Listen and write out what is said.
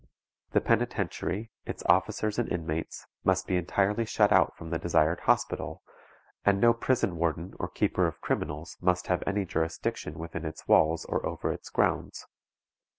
The Penitentiary, its officers and inmates, must be entirely shut out from the desired hospital, and no prison warden or keeper of criminals must have any jurisdiction within its walls or over its grounds.